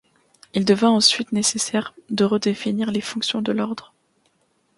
Il devint ensuite nécessaire de redéfinir les fonctions de l'Ordre.